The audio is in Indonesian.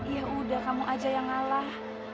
ya udah kamu aja yang ngalah